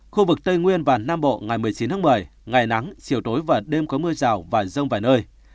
khu vực tây nguyên và nam bộ ngày một mươi chín tháng một mươi ngày nắng chiều tối và đêm có mưa rào và rông vài nơi